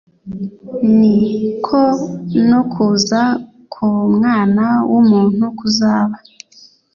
ni ko no kuza k'Umwana w'umuntu kuzaba.»